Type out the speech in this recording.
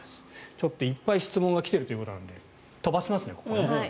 ちょっといっぱい質問が来てるということなので飛ばしますね、ここ。